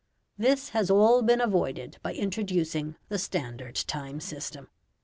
This has all been avoided by introducing the standard time system.